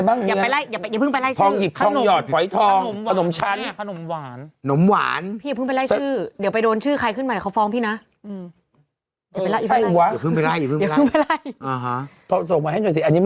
มันหมายความว่าเปิดเรื่องมาแล้วคนคนตาม